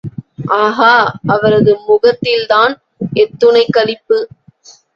ஆஹா, அவரது முகத்தில்தான் எத்துணைக் களிப்பு!